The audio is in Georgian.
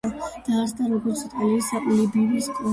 დაარსდა როგორც იტალიის ლიბიის კოლონიური დასახლება.